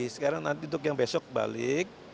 sekarang nanti untuk yang besok balik